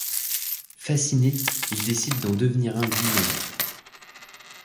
Fasciné, il décide d'en devenir un lui-même.